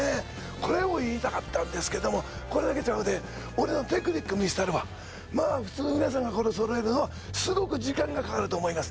これを言いたかったんですけどもこれだけちゃうで俺のテクニック見したるわまぁ普通皆さんがこれそろえるのはすごく時間がかかると思います